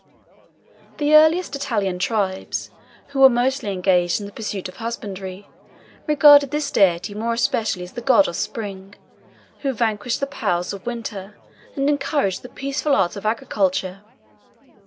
The earliest Italian tribes, who were mostly engaged in the pursuit of husbandry, regarded this deity more especially as the god of spring, who vanquished the powers of winter, and encouraged the peaceful arts of agriculture.